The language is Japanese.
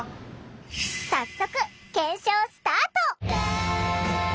早速検証スタート！